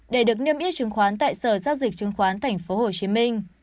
để được niêm yết chứng khoán tại sở giao dịch chứng khoán tp hcm